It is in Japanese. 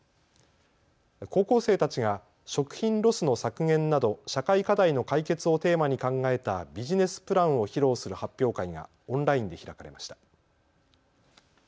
高校生たちが食品ロスの削減など社会課題の解決をテーマに考えたビジネスプランを披露する発表会がオンラインで開かれました。